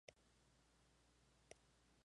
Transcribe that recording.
Luego de que se fuera su esposo, ella fue a pescar.